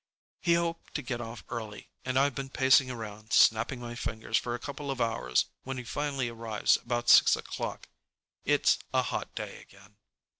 He hoped to get off early, and I've been pacing around snapping my fingers for a couple of hours when he finally arrives about six o'clock. It's a hot day again.